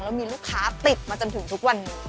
แล้วมีลูกค้าติดมาจนถึงทุกวันนี้